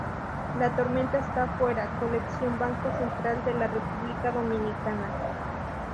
La tormenta está fuera, Colección Banco Central de la República Dominicana.